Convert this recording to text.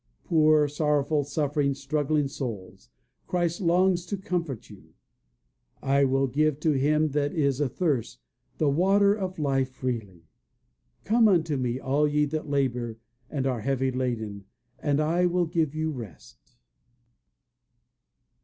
Poor sorrowful, suffering, struggling souls, Christ longs to comfort you. "I will give to him that is athirst the water of life freely." "Come unto me, all ye that labor and are heavy laden, and I will give you rest."